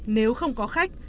nếu không có khách